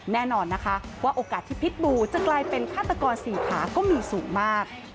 แน่นอนนะคะว่าโอกาสที่พิษบูจะกลายเป็นฆาตกรสี่ขาก็มีสูงมาก